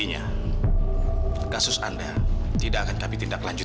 pak bukan saya yang dibunuh